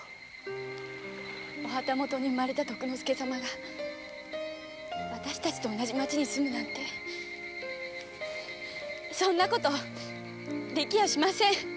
お旗本に生まれた徳之助様が私たちと同じ町に住むなんてそんな事できやしません。